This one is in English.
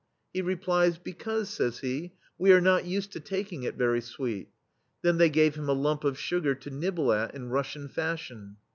He replies: " Because,'* says he, "we are not used to taking it very sweet," Then they gave him a lump of sugar to nibble at, in Russian fashion.